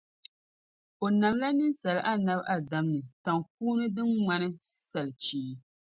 O namla ninsala Annabi Adam ni taŋkuuni din ŋmani salichee.